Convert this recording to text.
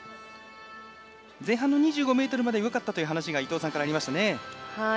前半の２５ｍまではよかったという話が伊藤さんからありましたね。